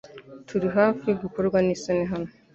Turi hafi gukorwa nisoni hano .